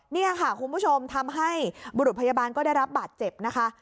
นี่ค่ะคุณผู้ชมทำให้บุรุษพยาบาลก็ได้รับบาดเจ็บนะคะ